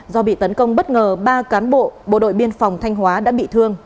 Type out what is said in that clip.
do bị tấn công bất ngờ ba cán bộ bộ đội biên phòng thanh hóa đã bị thương